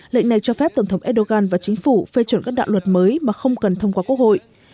lệnh này cho phép tổng thống erdogan và chính phủ phê chuẩn các đạo luật mới mà không cần thông qua quốc hội